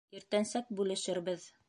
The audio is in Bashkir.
Иртәнсәк бүлешербеҙ.